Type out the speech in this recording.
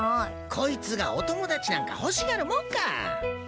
こいつがお友達なんか欲しがるもんか。